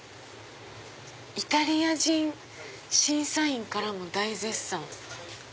「イタリア人審査員からも大絶賛」。